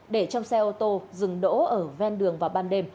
để trong xe ô tô dừng đỗ ở ven đường vào ban đêm